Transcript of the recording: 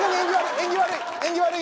縁起悪い。